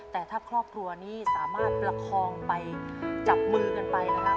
แต่ถ้าครอบครัวนี้สามารถประคองไปจับมือกันไปนะครับ